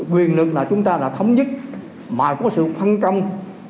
quyền lực là chúng ta là thống nhất mà có sự phân công